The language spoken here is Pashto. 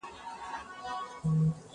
زه نان خوړلی دی؟!